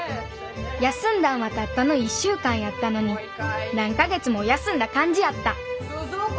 休んだんはたったの１週間やったのに何か月も休んだ感じやった鈴子！